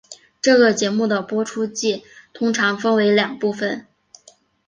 这个节目的播出季通常分为两部份。